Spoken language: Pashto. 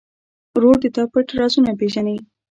ورور د تا پټ رازونه پېژني.